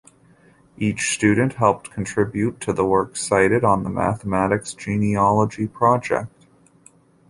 Each student helped contribute to the work cited on the Mathematics Genealogy Project.